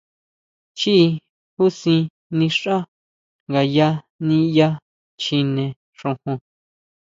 Chjií jusin nixá ngayá niʼya chjine xojon.